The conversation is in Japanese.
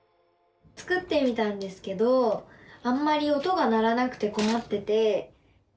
作ってみたんですけどあんまり音が鳴らなくてこまってて。